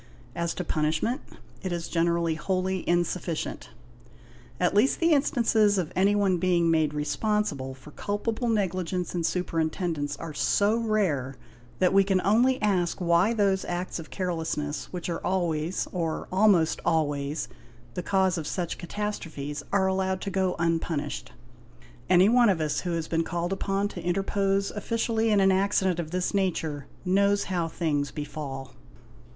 As to punishment, it is generally wholly insufficient; at least the instances of anyone being made responsible for culpable negligence in superintendence are so rare, that we can only ask why those acts of carelessness which are always, or almost always, the cause of such catastrophes are allowed to go unpunished. Any one of us who has been called upon to interpose officially in an accident of this nature, knows how things befall.